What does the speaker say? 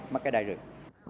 mất cái đai rừng